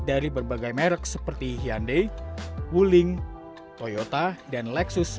dari berbagai merek seperti hyundai wuling toyota dan lexus